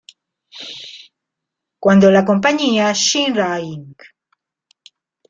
Cuando la compañía Shinra Inc.